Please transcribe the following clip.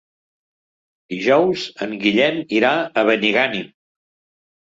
Dijous en Guillem irà a Benigànim.